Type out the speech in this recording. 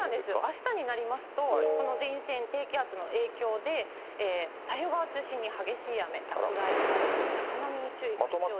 あしたになりますと、この前線、低気圧の影響で、太平洋側中心に激しい雨、落雷、強風、高波に注意が必要です。